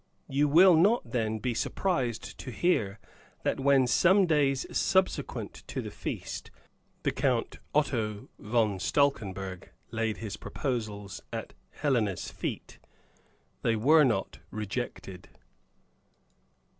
You will not, then, be surprised to hear that when, some days subsequent to the feast, the Count Otto von Stalkenberg laid his proposals at Helena's feet, they were not rejected.